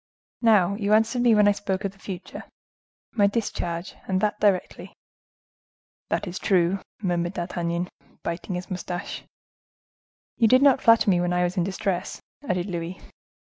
Now, you answered me when I spoke of the future, 'My discharge,—and that directly.'" "That is true," murmured D'Artagnan, biting his mustache. "You did not flatter me when I was in distress," added Louis.